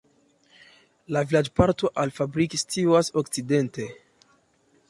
La vilaĝparto Alf-Fabrik situas okcidente.